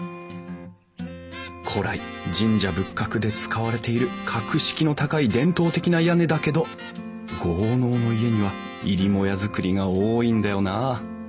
古来神社仏閣で使われている格式の高い伝統的な屋根だけど豪農の家には入母屋造りが多いんだよなあ。